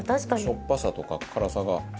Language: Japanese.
しょっぱさとか辛さが。